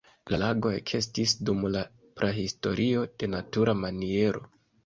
La lago ekestis dum la prahistorio je natura maniero.